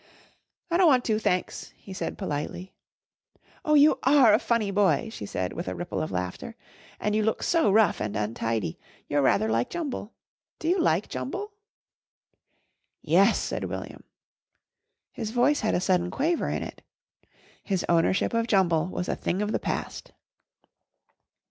"I don't want to, thanks," he said politely. "Oh, you are a funny boy!" she said with a ripple of laughter, "and you look so rough and untidy. You're rather like Jumble. Do you like Jumble?" "Yes," said William. His voice had a sudden quaver in it. His ownership of Jumble was a thing of the past.